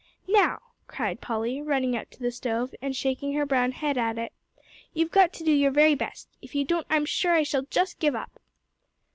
Now," cried Polly, running up to the stove, and shaking her brown head at it, "you've got to do your very best. If you don't, I'm sure I shall just give up!"